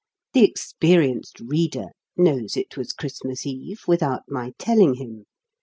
The experienced reader knows it was Christmas Eve, without my telling him.